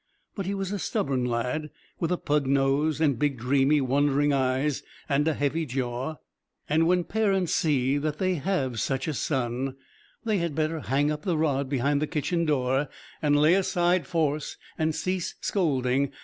But he was a stubborn lad, with a pug nose and big, dreamy, wondering eyes, and a heavy jaw; and when parents see that they have such a son, they had better hang up the rod behind the kitchen door and lay aside force and cease scolding.